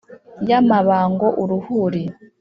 y’amabango uruhuri